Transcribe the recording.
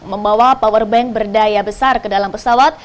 membawa powerbank berdaya besar ke dalam pesawat